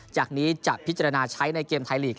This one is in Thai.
จากนี้จะพิจารณาใช้ในเกมไทยลีก